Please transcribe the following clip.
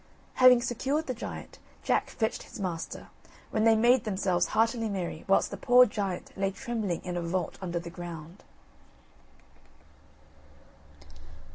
Having secured the giant, Jack fetched his master, when they made themselves heartily merry whilst the poor giant lay trembling in a vault under the ground.